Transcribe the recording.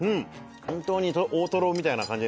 本当に大トロみたいな感じですね。